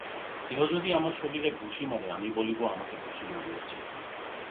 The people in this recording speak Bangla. কেহ যদি আমার শরীরে ঘুষি মারে, আমি বলিব আমাকে ঘুষি মারিয়াছে।